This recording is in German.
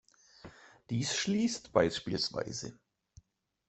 Dies schließt bsw.